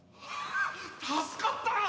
助かった！